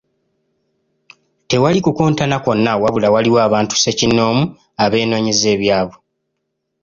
Ttewali kukontana kwonna wabula waliwo abantu ssekinnoomu abeenoonyeza ebyabwe.